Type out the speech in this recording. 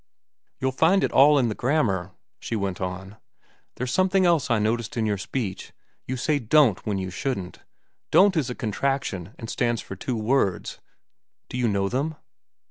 "You'll find it all in the grammar," she went on. "There's something else I noticed in your speech. You say 'don't' when you shouldn't. 'Don't' is a contraction and stands for two words. Do you know them?"